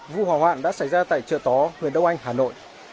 vụ hỏa hoạn đã xảy ra tại chợ tó huyện đông anh hà nội